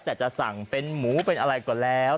แต่จะสั่งเป็นหมูเป็นอะไรก็แล้ว